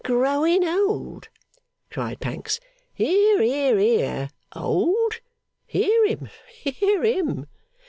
'Growing old?' cried Pancks. 'Hear, hear, hear! Old? Hear him, hear him!